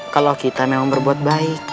kalau kita memang berbuat baik